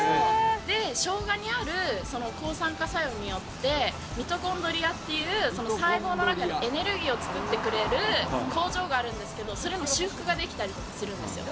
生姜にある抗酸化作用によって、ミトコンドリアっていう、細胞の中でエネルギーを作ってくれる工場があるんですけど、それの修復ができたりするんですよ。